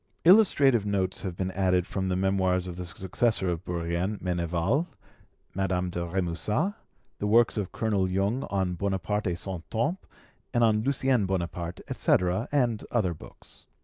Illustrative notes have been added from the Memoirs of the successor of Bourrienne, Meneval, Madame de Remusat, the works of Colonel Jung on 'Bonaparte et Son Temps', and on 'Lucien Bonaparte', etc., and other books.